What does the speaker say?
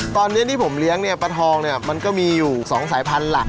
ตอนนี้ที่ผมเลี้ยงปลาทองมันก็มีอยู่๒สายพันธุ์หลัก